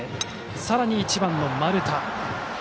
さらに１番、丸田。